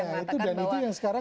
nah itu dan itu yang sekarang